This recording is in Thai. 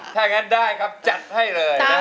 ถ้างั้นได้ครับจัดให้เลยนะ